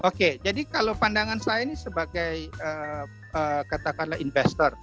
oke jadi kalau pandangan saya ini sebagai katakanlah investor